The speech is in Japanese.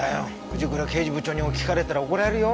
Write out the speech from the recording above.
藤倉刑事部長に聞かれたら怒られるよ。